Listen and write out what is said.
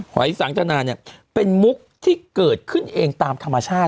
หอยสังจนาเนี่ยเป็นมุกที่เกิดขึ้นเองตามธรรมชาติ